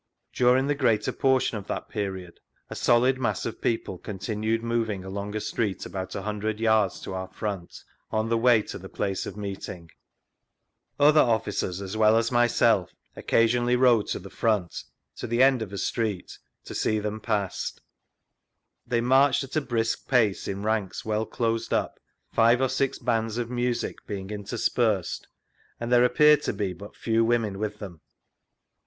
During the greater portion of that period a solid mass of people continued moving along a street about a hundred yards to our front on the way to the i^ace of meeting. Other officers as well as myself occasionally rode to the front (to the end •[St. John Street or Byrom Street.— Editor.] vGoogIc SIR WILLIAM JOLLIFFE'S NARRATIVE s« of a street) to see them pass. They marched at a brisk pace in ranks well closed up, tfilve or six bands of music being interspersed, and there appeared to be but few women with them.